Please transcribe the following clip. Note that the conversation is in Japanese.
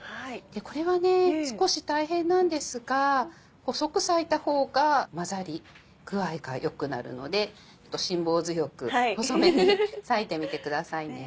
これはね少し大変なんですが細く裂いた方が混ざり具合が良くなるのでちょっと辛抱強く細めに裂いてみてください。